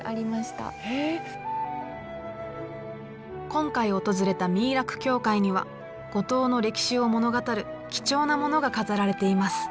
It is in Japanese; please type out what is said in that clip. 今回訪れた三井楽教会には五島の歴史を物語る貴重なものが飾られています。